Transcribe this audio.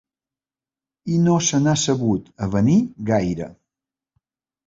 I no se n'ha sabut avenir gaire.